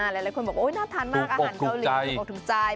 หลายคนบอกว่าน่าทานมากอาหารเกาหลี